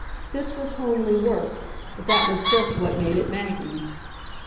This was homely work, but that was just what made it Maggie's.